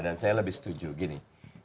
dan saya lebih setuju gini